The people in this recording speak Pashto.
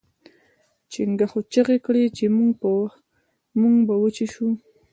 چنګښو چیغې کړې چې موږ به وچې شو.